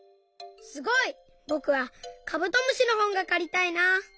すごい！ぼくはカブトムシのほんがかりたいな。